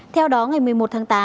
theo đó ngày một mươi một tháng tám